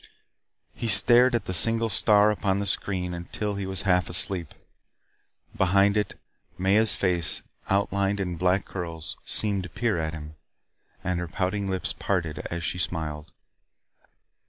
He stared at the single star upon the screen until he was half asleep. Behind it Maya's face, outlined in black curls, seemed to peer at him and her pouting lips parted as she smiled.